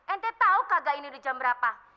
ente tau kagak ini jam berapa